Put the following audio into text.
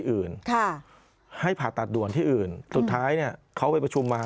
อืม